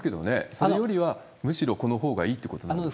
それよりは、むしろこのほうがいいということですか？